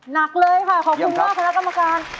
หนักเลยค่ะขอบคุณมากคณะกรรมการ